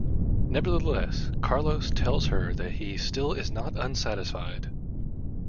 Nevertheless, Carlos tells her that he still is not unsatisfied.